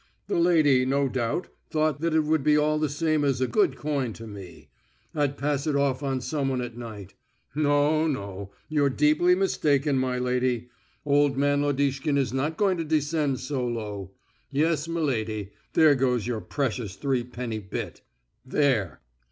The lady, no doubt, thought that it would be all the same as a good coin to me. I'd pass it off on someone at night. No, no, you're deeply mistaken, my lady. Old man Lodishkin is not going to descend so low. Yes, m'lady, there goes your precious threepenny bit! There!"